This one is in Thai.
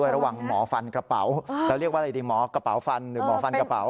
ระหว่างหมอฟันกระเป๋าเราเรียกว่าอะไรดีหมอกระเป๋าฟันหรือหมอฟันกระเป๋า